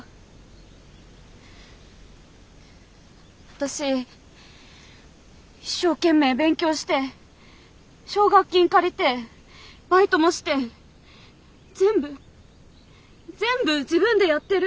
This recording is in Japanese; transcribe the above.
私一生懸命勉強して奨学金借りてバイトもして全部全部自分でやってる。